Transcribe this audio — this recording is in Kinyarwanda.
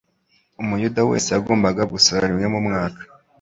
Umuyuda wese yagombaga gusora rimwe mu mwaka